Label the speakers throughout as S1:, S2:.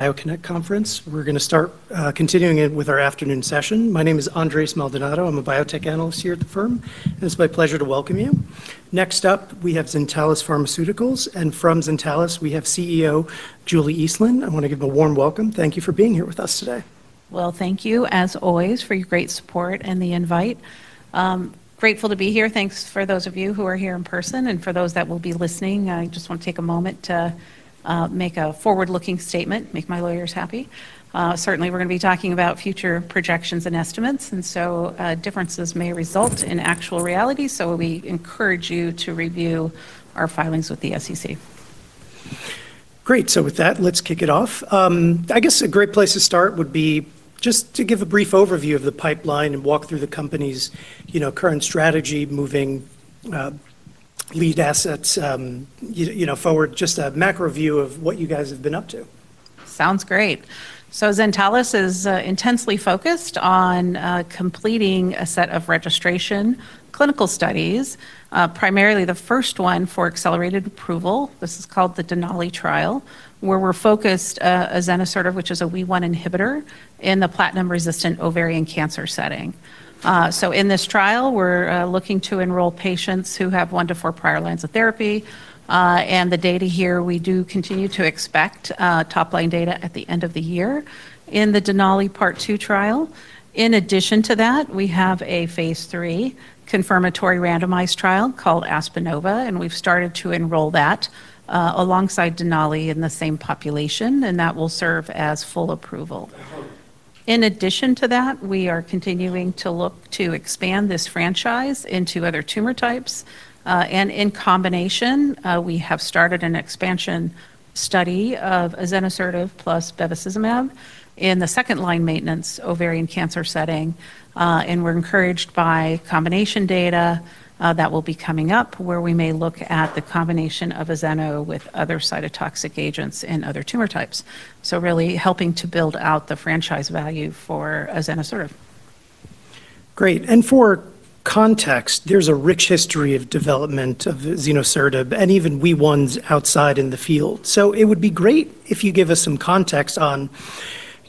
S1: BioConnect Conference. We're gonna start, continuing it with our afternoon session. My name is Andres Maldonado. I'm a biotech analyst here at the firm, and it's my pleasure to welcome you. Next up, we have Zentalis Pharmaceuticals, and from Zentalis, we have CEO Julie Eastland. I wanna give a warm welcome. Thank you for being here with us today.
S2: Well, thank you as always for your great support and the invite. Grateful to be here. Thanks for those of you who are here in person, and for those that will be listening, I just want to take a moment to make a forward-looking statement, make my lawyers happy. Certainly, we're gonna be talking about future projections and estimates, and so differences may result in actual reality, so we encourage you to review our filings with the SEC.
S1: Great. With that, let's kick it off. I guess a great place to start would be just to give a brief overview of the pipeline and walk through the company's, you know, current strategy moving lead assets, you know, forward, just a macro view of what you guys have been up to.
S2: Sounds great. Zentalis is intensely focused on completing a set of registration clinical studies, primarily the first one for accelerated approval. This is called the DENALI trial, where we're focused azenosertib, which is a WEE1 inhibitor, in the platinum-resistant ovarian cancer setting. In this trial, we're looking to enroll patients who have one to four prior lines of therapy, and the data here, we do continue to expect top-line data at the end of the year in the DENALI part two trial. In addition to that, we have a phase III confirmatory randomized trial called ASPENOVA, and we've started to enroll that alongside DENALI in the same population, and that will serve as full approval. In addition to that, we are continuing to look to expand this franchise into other tumor types, and in combination, we have started an expansion study of azenosertib plus bevacizumab in the second-line maintenance ovarian cancer setting, and we're encouraged by combination data that will be coming up where we may look at the combination of azeno with other cytotoxic agents in other tumor types. Really helping to build out the franchise value for azenosertib.
S1: Great. For context, there's a rich history of development of azenosertib and even WEE1 outside in the field. It would be great if you give us some context on,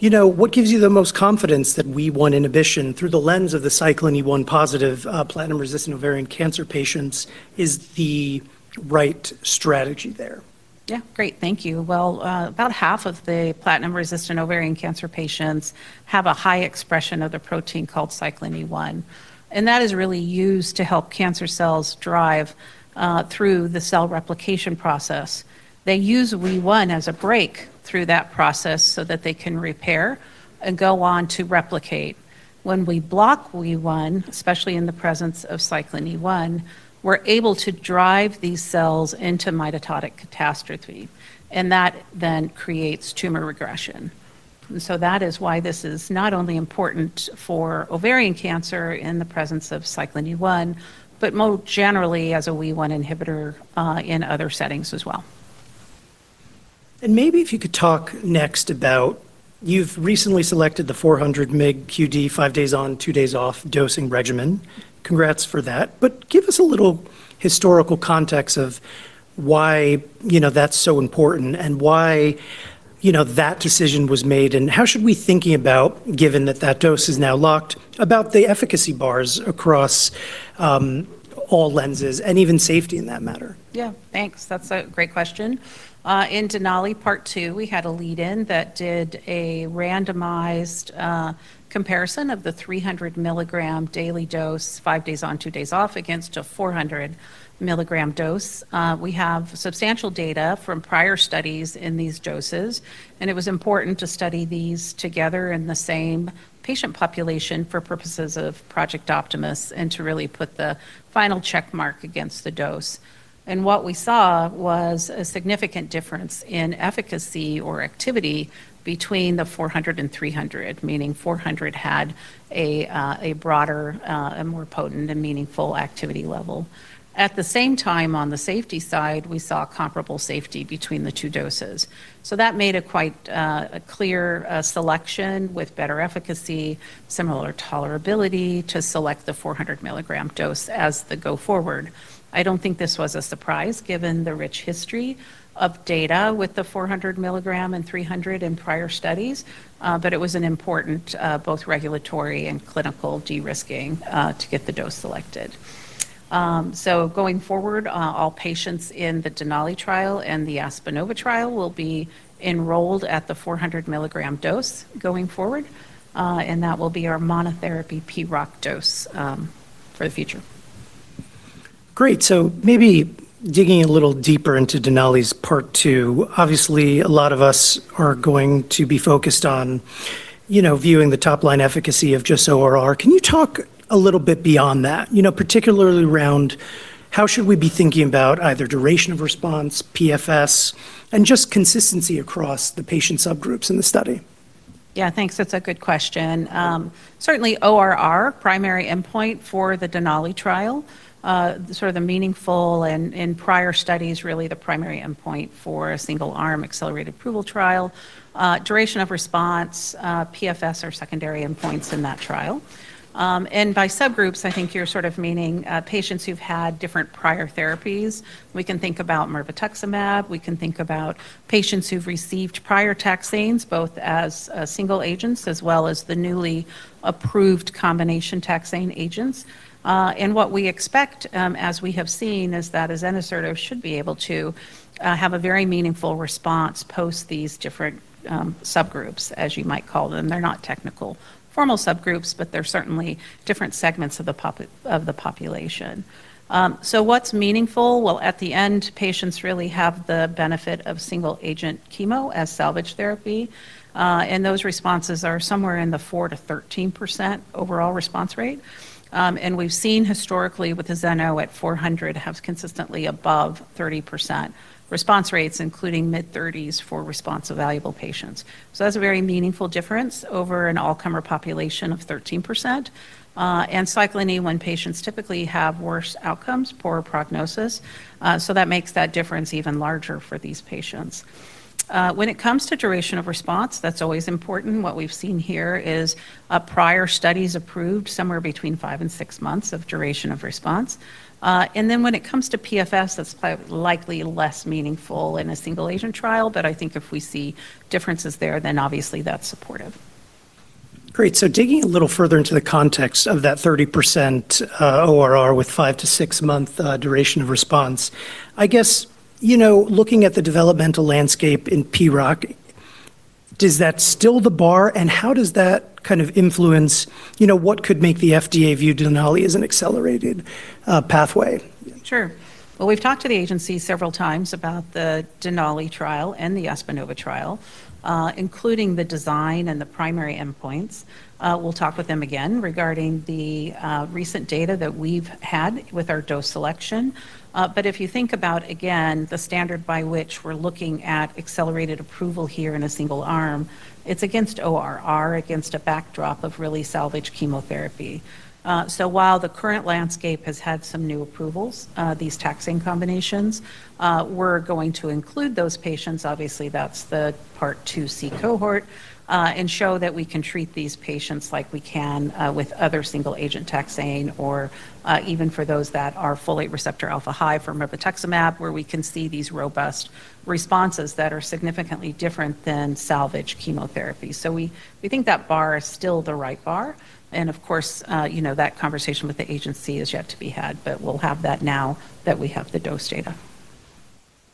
S1: you know, what gives you the most confidence that WEE1 inhibition through the lens of the cyclin E1-positive platinum-resistant ovarian cancer patients is the right strategy there?
S2: Yeah, great. Thank you. Well, about half of the platinum-resistant ovarian cancer patients have a high expression of the protein called cyclin E1 and that is really used to help cancer cells drive through the cell replication process. They use WEE1 as a break through that process so that they can repair and go on to replicate. When we block WEE1, especially in the presence of cyclin E1, we're able to drive these cells into mitotic catastrophe, and that then creates tumor regression. That is why this is not only important for ovarian cancer in the presence of cyclin E1, but more generally as a WEE1 inhibitor in other settings as well.
S1: Maybe if you could talk next about you've recently selected the 400 mg QD five days on, two days off dosing regimen. Congrats for that. Give us a little historical context of why, you know, that's so important and why, you know, that decision was made and how should we thinking about, given that that dose is now locked, about the efficacy bars across all lenses and even safety in that matter?
S2: Yeah. Thanks. That's a great question. In DENALI phase II, we had a lead in that did a randomized comparison of the 300 mg daily dose, five days on, two days off against a 400 mg dose. We have substantial data from prior studies in these doses, and it was important to study these together in the same patient population for purposes of Project Optimus and to really put the final check mark against the dose. What we saw was a significant difference in efficacy or activity between the 400 mg and 300 mg, meaning 400 mg had a broader, a more potent and meaningful activity level. At the same time, on the safety side, we saw comparable safety between the two doses. That made a quite clear selection with better efficacy, similar tolerability to select the 400 mg dose as the go forward. I don't think this was a surprise given the rich history of data with the 400 mg and 300 in prior studies, but it was an important both regulatory and clinical de-risking to get the dose selected. Going forward, all patients in the DENALI trial and the ASPENOVA trial will be enrolled at the 400 mg dose going forward, and that will be our monotherapy PROC dose for the future.
S1: Great. Maybe digging a little deeper into DENALI's phase II, obviously, a lot of us are going to be focused on, you know, viewing the top-line efficacy of just ORR. Can you talk a little bit beyond that? You know, particularly around how should we be thinking about either duration of response, PFS, and just consistency across the patient subgroups in the study?
S2: Yeah, thanks. That's a good question. Certainly ORR primary endpoint for the DENALI trial, sort of the meaningful and prior studies really the primary endpoint for a single arm accelerated approval trial, duration of response, PFS or secondary endpoints in that trial. By subgroups, I think you're sort of meaning patients who've had different prior therapies. We can think about mirvetuximab, we can think about patients who've received prior taxanes both as single agents as well as the newly approved combination taxane agents. What we expect, as we have seen is that azenosertib should be able to have a very meaningful response post these different subgroups, as you might call them. They're not technical formal subgroups, but they're certainly different segments of the population. What's meaningful? At the end, patients really have the benefit of single agent chemo as salvage therapy, and those responses are somewhere in the 4%-13% overall response rate. We've seen historically with the azenosertib at 400 mg has consistently above 30% response rates, including mid-30s for response evaluable patients. That's a very meaningful difference over an all-comer population of 13%, and cyclin E1 when patients typically have worse outcomes, poorer prognosis, that makes that difference even larger for these patients. When it comes to duration of response, that's always important. What we've seen here is, prior studies approved somewhere between five and six months of duration of response. When it comes to PFS, that's likely less meaningful in a single agent trial, but I think if we see differences there, then obviously that's supportive.
S1: Great. Digging a little further into the context of that 30% ORR with five to six month duration of response, I guess, you know, looking at the developmental landscape in PROC, does that still the bar, and how does that kind of influence, you know, what could make the FDA view DENALI as an accelerated pathway?
S2: Sure. Well, we've talked to the agency several times about the DENALI trial and the ASPENOVA trial, including the design and the primary endpoints. We'll talk with them again regarding the recent data that we've had with our dose selection. If you think about, again, the standard by which we're looking at accelerated approval here in a single arm, it's against ORR, against a backdrop of really salvage chemotherapy. While the current landscape has had some new approvals, these taxane combinations, we're going to include those patients, obviously that's the part II-C cohort, and show that we can treat these patients like we can with other single agent taxane or even for those that are folate receptor alpha high for mirvetuximab, where we can see these robust responses that are significantly different than salvage chemotherapy. We think that bar is still the right bar, and of course, you know, that conversation with the agency is yet to be had, but we'll have that now that we have the dose data.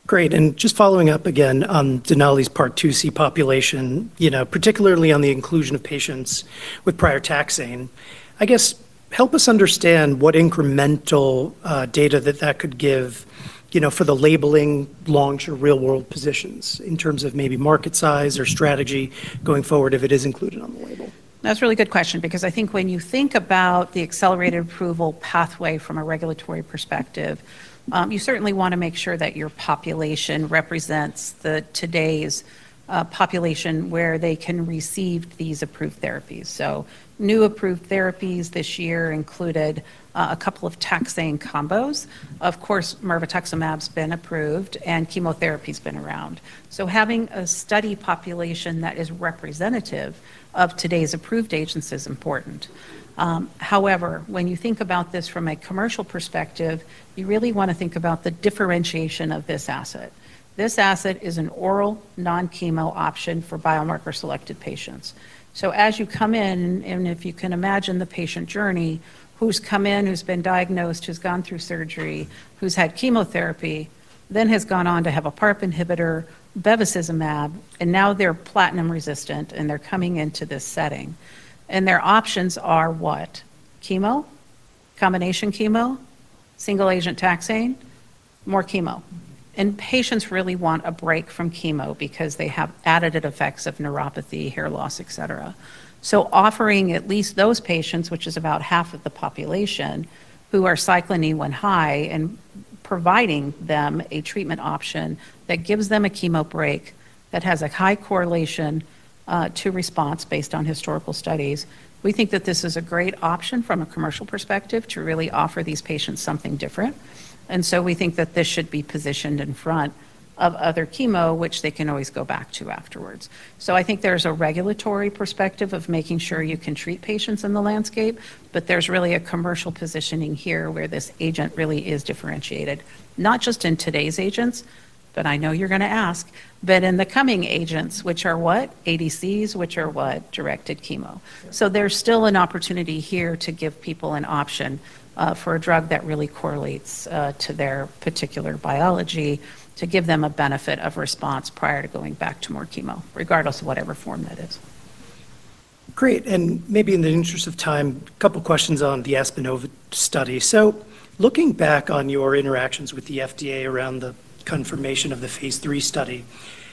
S1: Great. Just following up again on DENALI's part II-C population, you know, particularly on the inclusion of patients with prior taxane, I guess help us understand what incremental data that that could give, you know, for the labeling launch or real-world positions in terms of maybe market size or strategy going forward if it is included on the label.
S2: That's a really good question because I think when you think about the accelerated approval pathway from a regulatory perspective, you certainly wanna make sure that your population represents the today's population where they can receive these approved therapies. New approved therapies this year included a couple of taxane combos. Of course, mirvetuximab's been approved and chemotherapy's been around. Having a study population that is representative of today's approved agents is important. However, when you think about this from a commercial perspective, you really wanna think about the differentiation of this asset. This asset is an oral non-chemo option for biomarker selected patients. As you come in, and if you can imagine the patient journey who's come in, who's been diagnosed, who's gone through surgery, who's had chemotherapy, then has gone on to have a PARP inhibitor, bevacizumab, and now they're platinum-resistant and they're coming into this setting. Their options are what? Chemo, combination chemo, single agent taxane, more chemo. Patients really want a break from chemo because they have additive effects of neuropathy, hair loss, et cetera. Offering at least those patients, which is about half of the population, who are cyclin E1 high and providing them a treatment option that gives them a chemo break that has a high correlation to response based on historical studies, we think that this is a great option from a commercial perspective to really offer these patients something different. We think that this should be positioned in front of other chemo, which they can always go back to afterwards. I think there's a regulatory perspective of making sure you can treat patients in the landscape, but there's really a commercial positioning here where this agent really is differentiated, not just in today's agents, but I know you're going to ask, but in the coming agents, which are what? ADCs, which are what? Directed chemo. There's still an opportunity here to give people an option for a drug that really correlates to their particular biology to give them a benefit of response prior to going back to more chemo, regardless of whatever form that is.
S1: Great. Maybe in the interest of time, a couple questions on the ASPENOVA study. Looking back on your interactions with the FDA around the confirmation of the phase III study,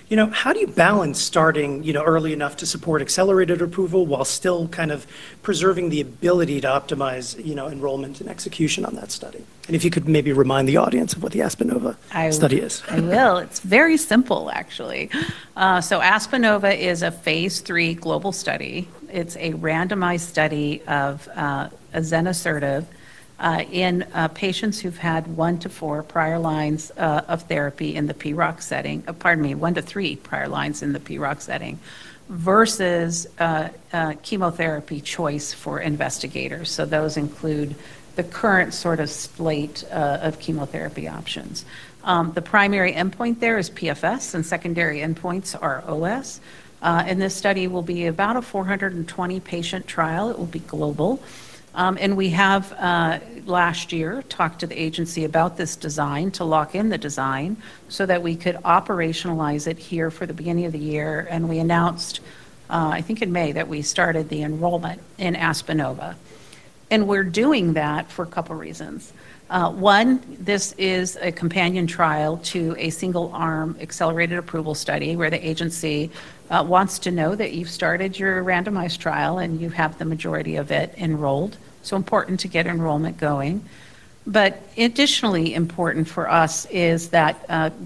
S1: you know, how do you balance starting, you know, early enough to support accelerated approval while still kind of preserving the ability to optimize, you know, enrollment and execution on that study? If you could maybe remind the audience of what the ASPENOVA study is.
S2: I will. It's very simple, actually. ASPENOVA is a phase III global study. It's a randomized study of azenosertib in patients who've had one to three prior lines of therapy in the PROC setting versus chemotherapy choice for investigators. Those include the current sort of slate of chemotherapy options. The primary endpoint there is PFS and secondary endpoints are OS. This study will be about a 420 patient trial. It will be global. We have last year talked to the FDA about this design to lock in the design so that we could operationalize it here for the beginning of the year. We announced, I think in May that we started the enrollment in ASPENOVA. We're doing that for a couple reasons. One, this is a companion trial to a single arm accelerated approval study where the agency wants to know that you've started your randomized trial and you have the majority of it enrolled, so important to get enrollment going. Additionally important for us is that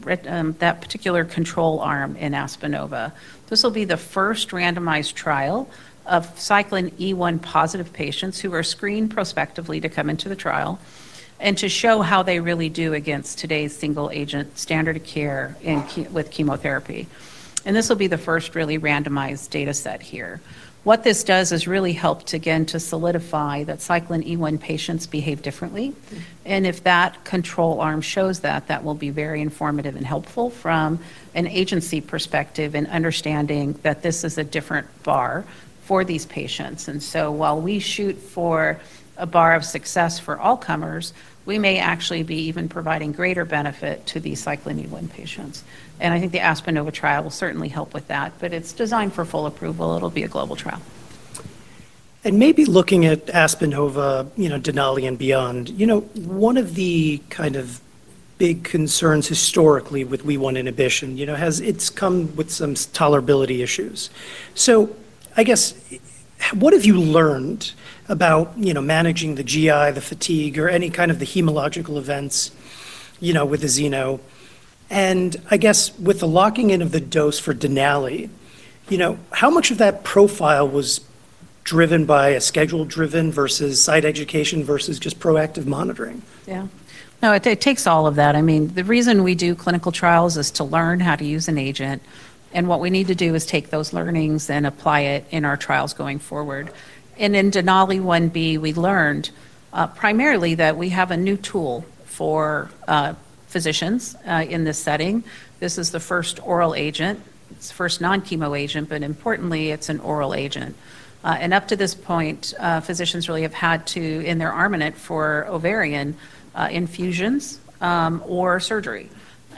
S2: particular control arm in ASPENOVA. This will be the first randomized trial of cyclin E1 positive patients who are screened prospectively to come into the trial and to show how they really do against today's single agent standard of care with chemotherapy. This will be the first really randomized data set here. What this does is really helped again to solidify that cyclin E1 patients behave differently. If that control arm shows that will be very informative and helpful from an agency perspective and understanding that this is a different bar for these patients. While we shoot for a bar of success for all comers, we may actually be even providing greater benefit to the cyclin E1 patients. I think the ASPENOVA trial will certainly help with that, but it's designed for full approval. It'll be a global trial.
S1: Maybe looking at ASPENOVA, you know, DENALI and beyond, you know, one of the kind of big concerns historically with WEE1 inhibition, you know, has it's come with some tolerability issues. I guess, what have you learned about, you know, managing the GI, the fatigue, or any kind of the hematological events, you know, with the xeno? I guess with the locking in of the dose for DENALI, you know, how much of that profile was driven by a schedule-driven versus site education versus just proactive monitoring?
S2: Yeah. No, it takes all of that. I mean, the reason we do clinical trials is to learn how to use an agent, and what we need to do is take those learnings and apply it in our trials going forward. In DENALI I-B, we learned primarily that we have a new tool for physicians in this setting. This is the first oral agent. It's the first non-chemo agent, but importantly, it's an oral agent. Up to this point, physicians really have had to, in their armament for ovarian, infusions or surgery.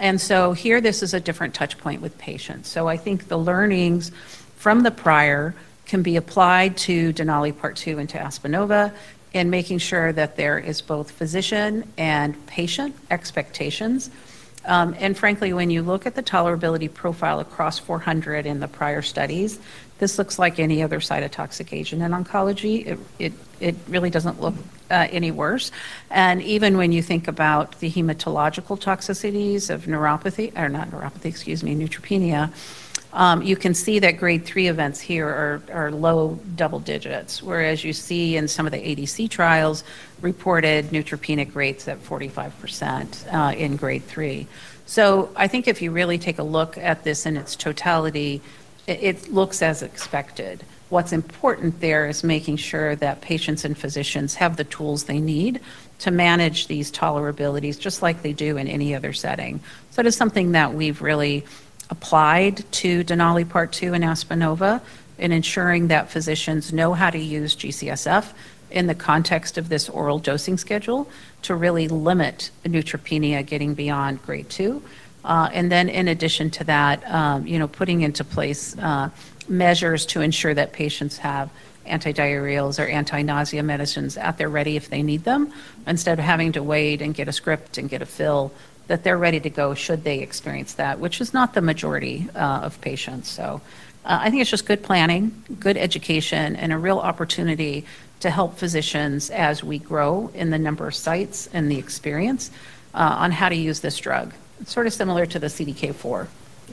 S2: Here, this is a different touch point with patients. I think the learnings from the prior can be applied to DENALI part II and to ASPENOVA in making sure that there is both physician and patient expectations. Frankly, when you look at the tolerability profile across 400 mg in the prior studies, this looks like any other cytotoxic agent in oncology. It really doesn't look any worse. Even when you think about the hematological toxicities of neuropathy, or not neuropathy, excuse me, neutropenia, you can see that grade 3 events here are low double digits, whereas you see in some of the ADC trials reported neutropenic rates at 45%, in grade 3. I think if you really take a look at this in its totality, it looks as expected. What's important there is making sure that patients and physicians have the tools they need to manage these tolerabilities, just like they do in any other setting. It is something that we've really applied to DENALI part II and ASPENOVA in ensuring that physicians know how to use G-CSF in the context of this oral dosing schedule to really limit the neutropenia getting beyond grade 2. And then in addition to that, you know, putting into place measures to ensure that patients have antidiarrheals or anti-nausea medicines at their ready if they need them instead of having to wait and get a script and get a fill, that they're ready to go should they experience that, which is not the majority of patients. I think it's just good planning, good education, and a real opportunity to help physicians as we grow in the number of sites and the experience on how to use this drug. It's sort of similar to the CDK4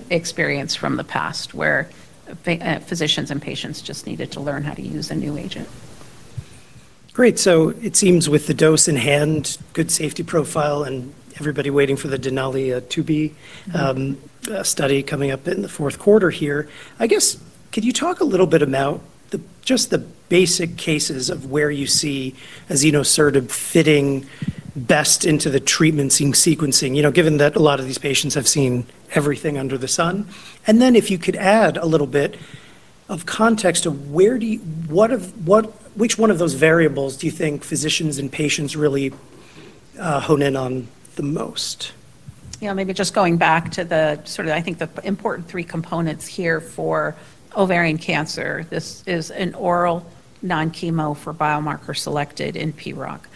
S2: experience from the past where physicians and patients just needed to learn how to use a new agent.
S1: Great. It seems with the dose in hand, good safety profile, and everybody waiting for the DENALI II-B study coming up in the fourth quarter here, I guess, could you talk a little bit about just the basic cases of where you see azenosertib fitting best into the treatment sequencing? You know, given that a lot of these patients have seen everything under the sun. Then if you could add a little bit of context of which one of those variables do you think physicians and patients really hone in on the most?
S2: Yeah, maybe just going back to the sort of I think the important three components here for ovarian cancer. This is an oral non-chemo for biomarker selected in PROC.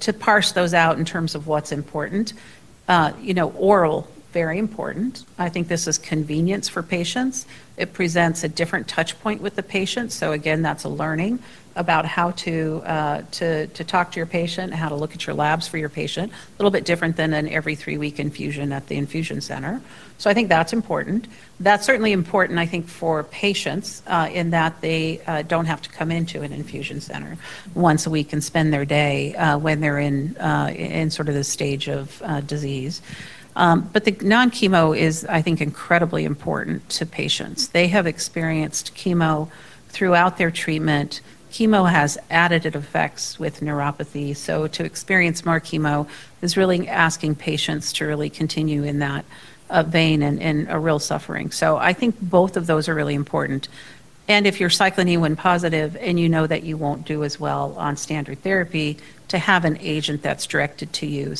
S2: To parse those out in terms of what's important, you know, oral, very important. I think this is convenience for patients. It presents a different touch point with the patient. Again, that's a learning about how to talk to your patient, how to look at your labs for your patient. A little bit different than an every three-week infusion at the infusion center. I think that's important. That's certainly important, I think, for patients, in that they don't have to come into an infusion center once a week and spend their day, when they're in sort of this stage of disease. The non-chemo is, I think, incredibly important to patients. They have experienced chemo throughout their treatment. Chemo has additive effects with neuropathy, to experience more chemo is really asking patients to really continue in that vein and a real suffering. I think both of those are really important. If you're cyclin E1 positive and you know that you won't do as well on standard therapy, to have an agent that's directed to you.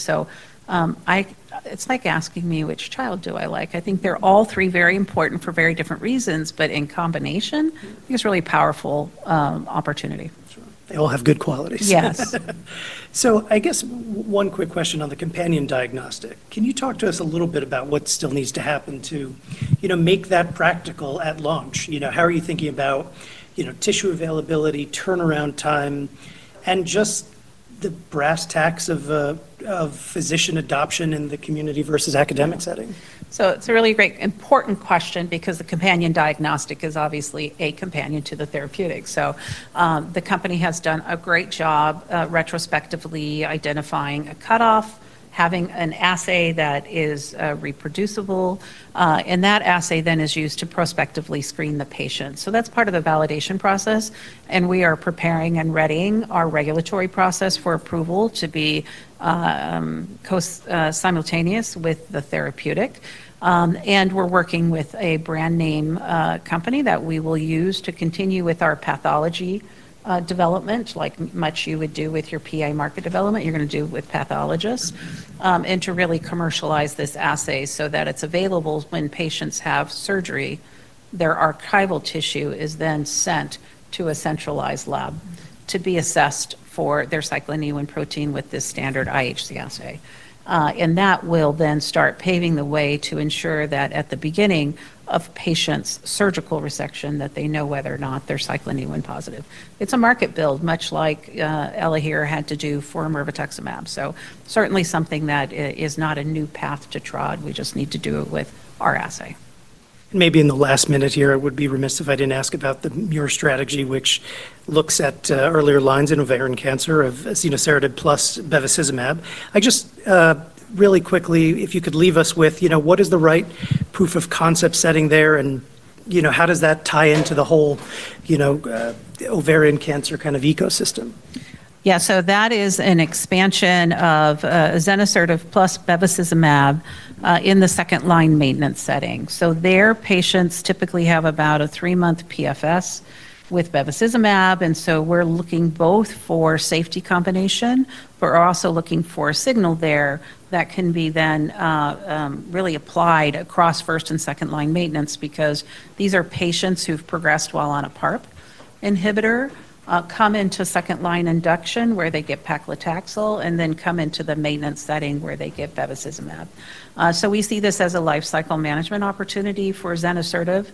S2: It's like asking me which child do I like. I think they're all three very important for very different reasons, but in combination. I think it's a really powerful opportunity.
S1: Sure. They all have good qualities.
S2: Yes.
S1: I guess one quick question on the companion diagnostic. Can you talk to us a little bit about what still needs to happen to, you know, make that practical at launch? You know, how are you thinking about, you know, tissue availability, turnaround time, and just the brass tacks of physician adoption in the community versus academic setting?
S2: It's a really great important question because the companion diagnostic is obviously a companion to the therapeutic. The company has done a great job retrospectively identifying a cutoff, having an assay that is reproducible. That assay then is used to prospectively screen the patient. That's part of the validation process, and we are preparing and readying our regulatory process for approval to be simultaneous with the therapeutic. We're working with a brand name company that we will use to continue with our pathology development, like much you would do with your pathology market development, you're gonna do with pathologists. To really commercialize this assay so that it's available when patients have surgery. Their archival tissue is then sent to a centralized lab. to be assessed for their cyclin E1 protein with this standard IHC assay. That will then start paving the way to ensure that at the beginning of patient's surgical resection that they know whether or not they're cyclin E1 positive. It's a market build, much like ELAHERE had to do for mirvetuximab. Certainly something that is not a new path to trod. We just need to do it with our assay.
S1: Maybe in the last minute here, I would be remiss if I didn't ask about the MUIR strategy which looks at earlier lines in ovarian cancer of azenosertib plus bevacizumab. I just, really quickly, if you could leave us with, you know, what is the right proof of concept setting there and, you know, how does that tie into the whole, you know, ovarian cancer kind of ecosystem?
S2: Yeah. That is an expansion of azenosertib plus bevacizumab in the second-line maintenance setting. There patients typically have about a three-month PFS with bevacizumab, and we're looking both for safety combination. We're also looking for a signal there that can be then really applied across first and second-line maintenance because these are patients who've progressed while on a PARP inhibitor, come into second line induction where they get paclitaxel and then come into the maintenance setting where they get bevacizumab. We see this as a life cycle management opportunity for azenosertib.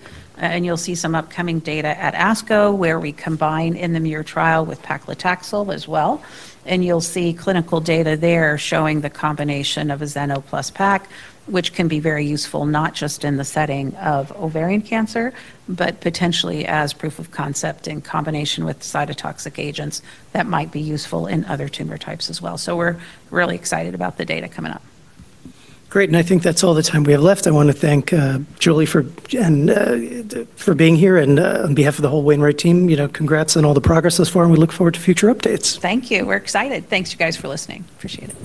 S2: You'll see some upcoming data at ASCO where we combine in the MUIR trial with paclitaxel as well. You'll see clinical data there showing the combination of azeno plus pac, which can be very useful, not just in the setting of ovarian cancer, but potentially as proof of concept in combination with cytotoxic agents that might be useful in other tumor types as well. We're really excited about the data coming up.
S1: Great, I think that's all the time we have left. I wanna thank Julie for being here and on behalf of the whole Wainwright team, you know, congrats on all the progress thus far. We look forward to future updates.
S2: Thank you. We're excited. Thanks you guys for listening. Appreciate it.